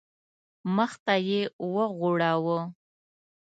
مخ ته یې وغوړاوه.